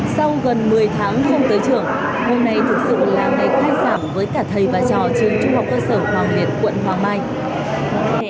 sau gần một mươi tháng không tới trường vụ này thực sự là ngày khai giảng với cả thầy và trò trường trung học cơ sở hoàng liệt quận hoàng mai